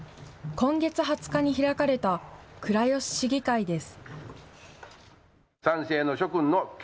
今月２０日に開かれた、倉吉市議会です。